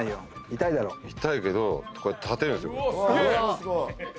痛いけどこうやって立てるんですよ。